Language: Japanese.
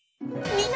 みんな！